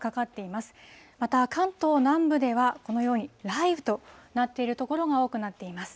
また関東南部では、このように雷雨となっている所が多くなっています。